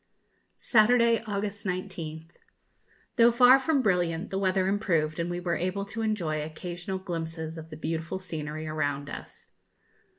Saturday, August 19th. Though far from brilliant, the weather improved, and we were able to enjoy occasional glimpses of the beautiful scenery around us.